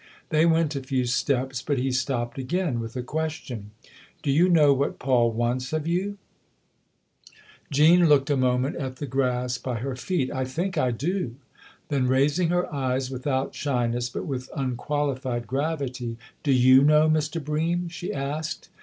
They went a few steps, but he stopped again with a question. "Do you know what Paul wants of you ?" Jean looked a moment at the grass by her feet. " I think I do." Then raising her eyes without shy ness, but with unqualified gravity, " Do you know, Mr. Bream ?" she asked.